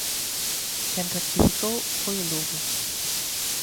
Quen rectificou foi o Lugo.